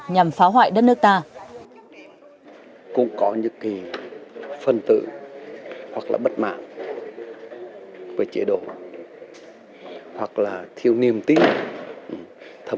nhằm phá hoại đất nước ta